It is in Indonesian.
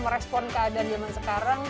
merespon keadaan zaman sekarang